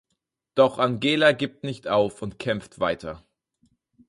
Doch Angela gibt nicht auf und kämpft weiter.